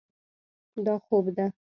دا خوب ده.